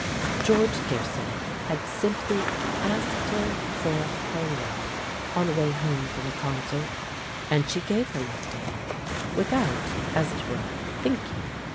George Gearson had simply asked her for her love, on the way home from a concert, and she gave her love to him, without, as it were, thinking.